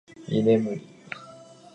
居眠り